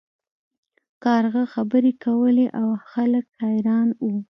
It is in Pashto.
کارغه خبرې کولې او خلک حیران وو.